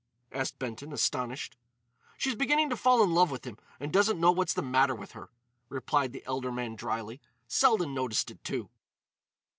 asked Benton, astonished. "She's beginning to fall in love with him and doesn't know what's the matter with her," replied the elder man drily. "Selden noticed it, too."